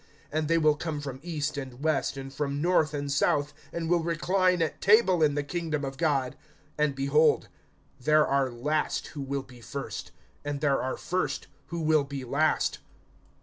(29)And they will come from east and west, and from north and south, and will recline at table in the kingdom of God. (30)And, behold, there are last who will be first, and there are first who will be last.